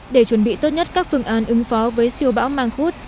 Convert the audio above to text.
để chuẩn bị tốt nhất các phương án ứng phó với siêu bão măng khuất